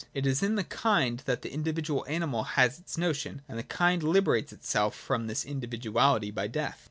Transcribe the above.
It is in the kind that the individual animal has its notion : and the kind liberates itself from this individuality by death.